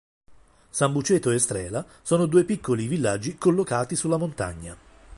Sambuceto e Strela sono due piccoli villaggi collocati sulla montagna.